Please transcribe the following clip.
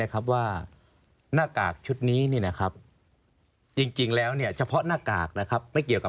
เขาข่ายกันยิ่งเท่าใครคะ